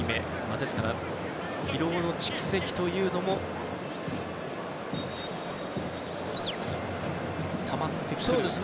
ですから、疲労の蓄積というのもたまってくるころ。